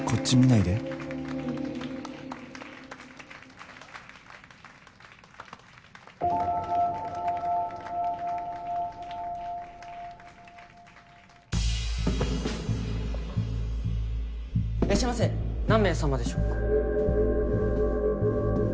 いらっしゃいませ何名様でしょうか。